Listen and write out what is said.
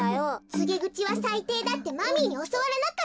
つげぐちはさいていだってマミーにおそわらなかった？